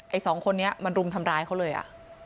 สองคนนี้มันรุมทำร้ายเขาเลยอ่ะ